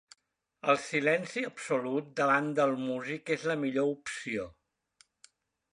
El silenci absolut davant del músic és la millor opció.